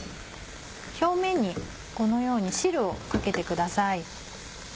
表面にこのように汁をかけてください。